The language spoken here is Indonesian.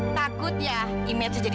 apakah niew pattern anda